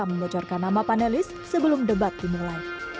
mereka membocorkan nama panelis sebelum debat dimulai